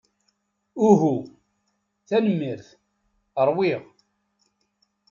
Uhu, tanemmirt. Ṛwiɣ.